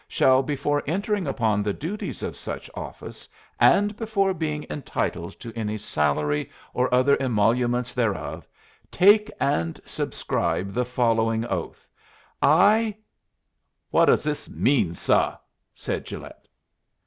shall before entering upon the duties of such office, and before being entitled to any salary or other emoluments thereof, take and subscribe the following oath: I '" "What does this mean, suh?" said Gilet.